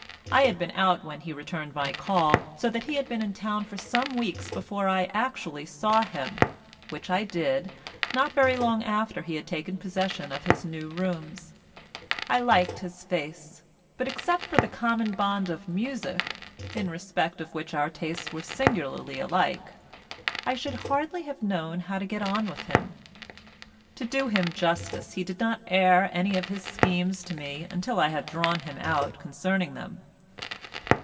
I had been out when he returned my call, so that he had been in town for some weeks before I actually saw him, which I did not very long after he had taken possession of his new rooms. I liked his face, but except for the common bond of music, in respect of which our tastes were singularly alike, I should hardly have known how to get on with him. To do him justice he did not air any of his schemes to me until I had drawn him out concerning them.